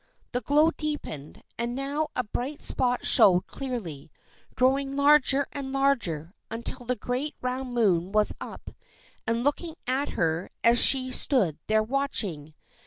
The glow deepened, and now a bright spot showed clearly, growing larger and larger until the great round moon was up and looking at her as she stood there watching.